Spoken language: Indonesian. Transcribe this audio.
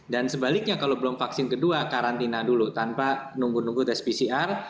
dan sebaliknya kalau belum vaksin kedua karantina dulu tanpa nunggu nunggu test pcr